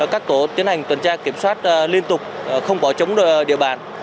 các tổ tiến hành tuần tra kiểm soát liên tục không bỏ trống địa bàn